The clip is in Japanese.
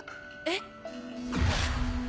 えっ？